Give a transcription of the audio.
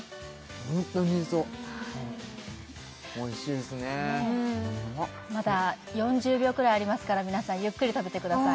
ホントにそうおいしいですねまだ４０秒くらいありますから皆さんゆっくり食べてください